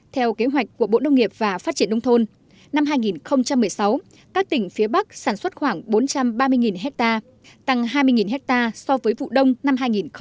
theo kế hoạch của bộ nông nghiệp và phát triển nông thôn năm hai nghìn một mươi sáu các tỉnh phía bắc sản xuất khoảng bốn trăm ba mươi ha tăng hai mươi ha so với vụ đông năm hai nghìn một mươi tám